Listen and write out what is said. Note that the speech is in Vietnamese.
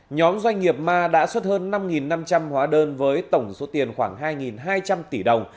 nhóm doanh nghiệp ma đã xuất hơn năm năm trăm linh hóa đơn với tổng số tiền khoảng hai hai trăm linh tỷ đồng